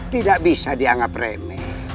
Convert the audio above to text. tidak bisa dianggap remeh